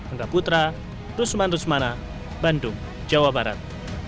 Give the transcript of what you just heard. angga putra rusman rusmana bandung jawa barat